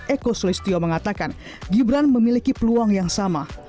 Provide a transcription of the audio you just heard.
eko sulistio mengatakan gibran memiliki peluang yang sama